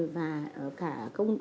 và cả công ty